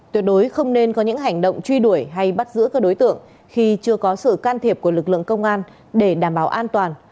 tuyệt đối không nên có những hành động truy đuổi hay bắt giữ các đối tượng khi chưa có sự can thiệp của lực lượng công an để đảm bảo an toàn